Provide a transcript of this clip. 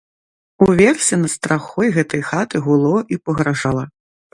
Уверсе над страхой гэтай хаты гуло і пагражала.